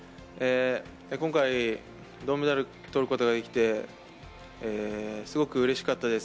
今回銅メダルを取ることができてすごくうれしかったです。